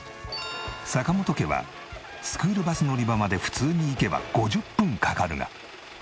坂本家はスクールバス乗り場まで普通に行けば５０分かかるが。